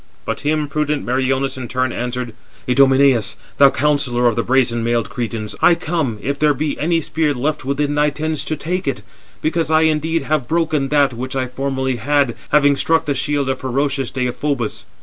But him prudent Meriones in turn answered: "Idomeneus, thou counsellor of the brazen mailed Cretans, I come, if there be any spear left within thy tents, to take it: because I indeed have broken that which I formerly had, having struck the shield of ferocious Deïphobus."